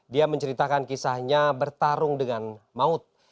dia menceritakan kisahnya bertarung dengan maut